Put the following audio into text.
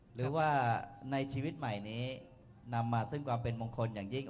หรือว่าในชีวิตใหม่นี้นำมาซึ่งความเป็นมงคลอย่างยิ่ง